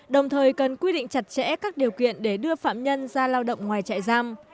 đồng thời cần quy định chặt chẽ các điều kiện để đưa phạm nhân ra lao động ngoài trại giam